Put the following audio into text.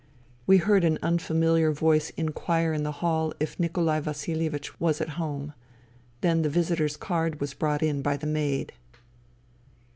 We heard an unfamiliar voice inquire in the hall if Nikolai Vasilievich was at home. Then the visitor's card was brought in by the maid.